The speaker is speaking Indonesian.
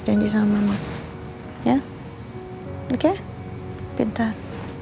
janji sama mama ya oke pintar